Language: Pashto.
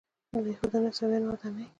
د یهودانو او عیسویانو ودانۍ.